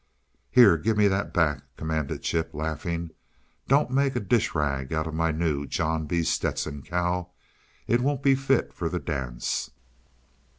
"Here! Give that back!" commanded Chip, laughing. "DON'T make a dish rag of my new John B. Stetson, Cal. It won't be fit for the dance."